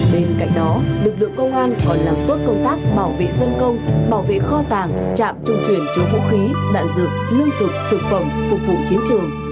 bên cạnh đó lực lượng công an còn làm tốt công tác bảo vệ dân công bảo vệ kho tàng trạm trung chuyển chứa vũ khí đạn dược lương thực thực phẩm phục vụ chiến trường